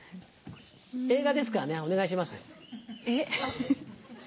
映画ですからねお願いしますよ。